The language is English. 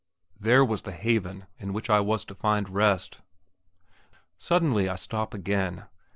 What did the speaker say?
There was the haven in which I was to find rest. Suddenly I stop again.